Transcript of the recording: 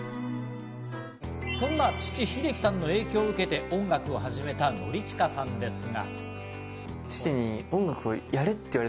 そんな父・秀樹さんの影響を受けて、音楽を始めた典親さんですが。